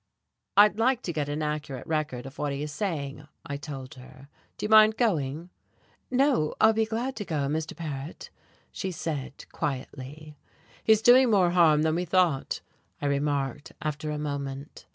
"I'd like to get an accurate record of what he is saying," I told her. "Do you mind going?" "No, I'll be glad to go, Mr. Paret," she said quietly. "He's doing more harm than we thought," I remarked, after a moment.